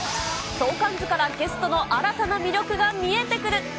相関図からゲストの新たな魅力が見えてくる。